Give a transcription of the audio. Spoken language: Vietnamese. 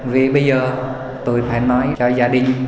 vì bây giờ tôi phải nói cho gia đình